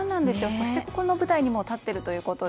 そして、この舞台にもう立っているということで。